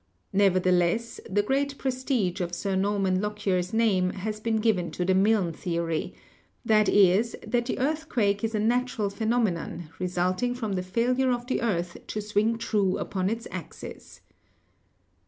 Nevertheless, the great prestige of Sir Norman Lockyer's name has been given to the Milne theory — that is, that the earthquake is a natural phenomenon resulting from the failure of the earth to swing true upon its axis.